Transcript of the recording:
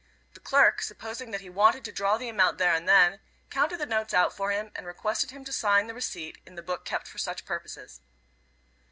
The clerk, supposing that he wanted to draw the amount there and then, counted the notes out for him, and requested him to sign the receipt in the book kept for such purposes.